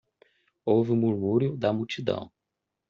Houve um murmúrio da multidão.